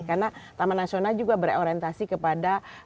karena taman nasional juga berorientasi kepada